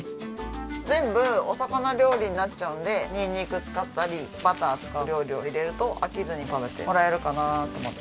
全部お魚料理になっちゃうんでニンニク使ったりバター使う料理を入れると飽きずに食べてもらえるかなと思って。